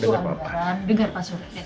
dengar pak suri